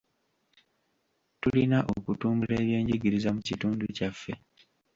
Tulina okutumbula eby'enjigiriza mu kitundu kyaffe.